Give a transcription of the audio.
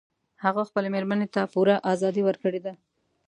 هغه خپلې میرمن ته پوره ازادي ورکړي ده